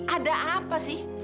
ada apa sih